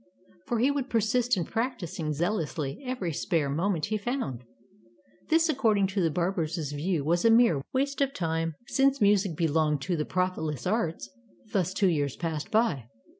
For he would persist in practicing zealously every spare moment he found. This according to the barber's view was a mere waste of time, since music belonged to the profitless arts. Thus two years passed by.